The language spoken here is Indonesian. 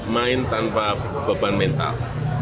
main tanpa beban mental